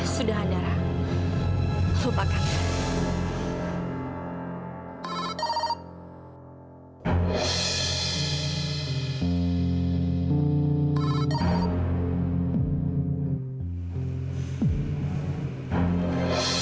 sudah andara lupakan